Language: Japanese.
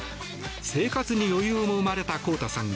生活に余裕も生まれたこうたさん。